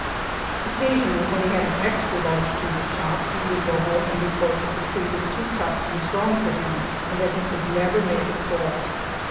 Occasionally when he had an extra large tree to chop, he would go home and report that the tree was too tough and strong for him and that he could never make it fall.